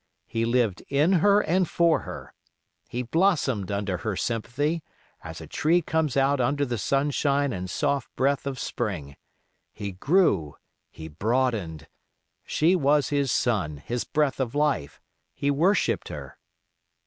He lived in her and for her. He blossomed under her sympathy as a tree comes out under the sunshine and soft breath of spring. He grew, he broadened. She was his sun, his breath of life; he worshipped her.